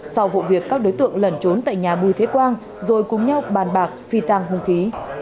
sau vụ việc các đối tượng lẩn trốn tại nhà bùi thế quang rồi cùng nhau bàn bạc phi tàng hùng khí